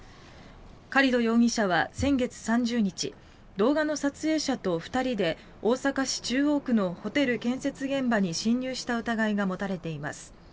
カリド容疑者は先月３０日動画の撮影者と２人で大阪市中央区のホテル建設現場に侵入した疑いが持たれています。